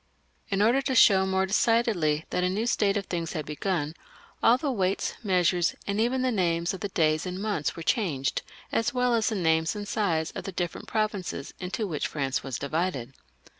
In order to show more decidedly that a new state of things had begun, all the weights, measures, and even the names of the days and months were changed, as well as the names and size of the different provinces into which France was divided.